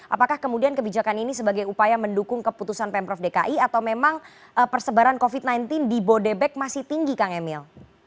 apakah kemudian kebijakan ini sebagai upaya mendukung keputusan pemprov dki atau memang persebaran covid sembilan belas di bodebek masih tinggi kang emil